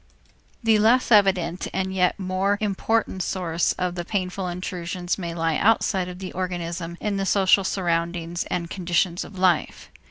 The less evident and yet even more important source of the painful intrusions may lie outside of the organism in the social surroundings and conditions of life.